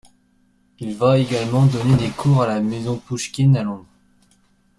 Il va également donner des cours à la Maison Pouchkine à Londres.